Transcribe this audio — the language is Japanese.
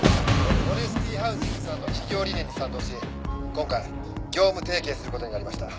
オネスティハウジングさんの企業理念に賛同し今回業務提携することになりました。